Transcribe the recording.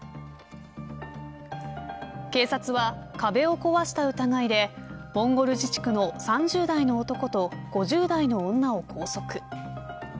警察は、壁を壊した疑いでモンゴル自治区の３０代の男と５０代の女を拘束。